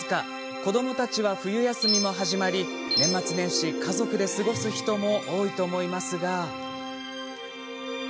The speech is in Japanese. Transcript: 子どもたちは冬休みも始まり年末年始、家族で過ごす人も多いと思いますが。